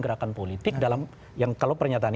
gerakan politik dalam yang kalau pernyataan